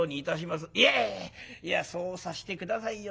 いやいやそうさせて下さいよ。